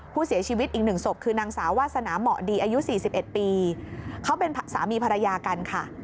ผู้เสียชีวิตอีก๑ศพคือนางสาววาสนาเหมาะดีอายุ๔๑ปีเขาเป็นสามีภรรยากันค่ะ